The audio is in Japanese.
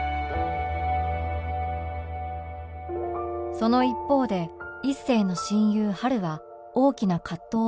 その一方で一星の親友春は大きな葛藤を抱えていた